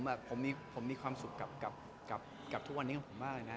ผมว่าตอนนี้ผมมีความสุขกับทุกวันนี้ของผมมากเลยนะ